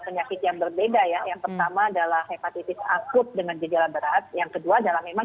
penyakit yang berbeda ya yang pertama adalah hepatitis akut dengan gejala berat yang kedua adalah memang